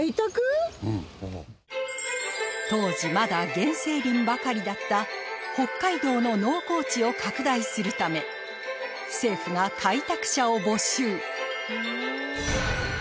当時まだ原生林ばかりだった北海道の農耕地を拡大するため政府が開拓者を募集